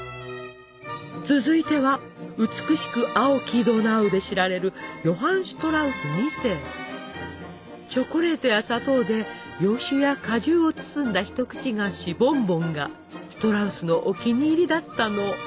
続いては「美しく青きドナウ」で知られるチョコレートや砂糖で洋酒や果汁を包んだ一口菓子「ボンボン」がシュトラウスのお気に入りだったの。